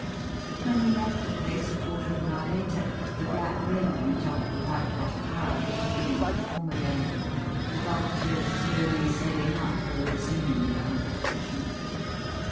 When we left the place a quarter of an hour later the black ring on the top of the whitewashed tower was beginning to form again. The vultures slowly sailing up were resuming their old positions.